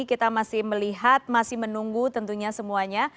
kita masih melihat masih menunggu tentunya semuanya